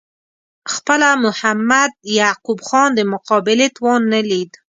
خپله محمد یعقوب خان د مقابلې توان نه لید.